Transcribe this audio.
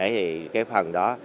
đấy cái phần đó